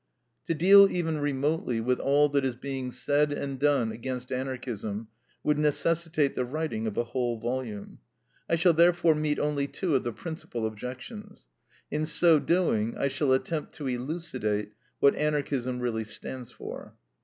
To deal even remotely with all that is being said and done against Anarchism would necessitate the writing of a whole volume. I shall therefore meet only two of the principal objections. In so doing, I shall attempt to elucidate what Anarchism really stands for.